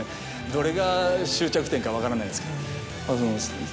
どれが終着点か分からないですけど。